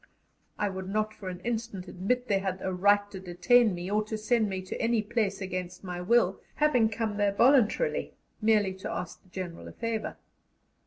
I would not for an instant admit they had a right to detain me or to send me to any place against my will, having come there voluntarily, merely to ask the General a favour.